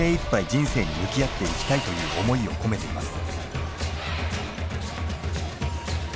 人生に向き合っていきたいという思いを込めています。